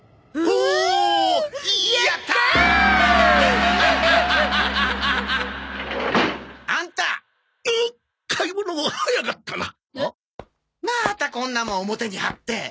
またこんなもん表に貼って。